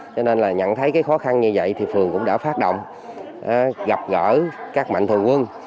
cho nên là nhận thấy cái khó khăn như vậy thì phường cũng đã phát động gặp gỡ các mạnh thường quân